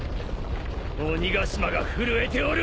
鬼ヶ島が震えておる。